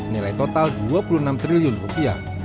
nilai total dua puluh enam triliun rupiah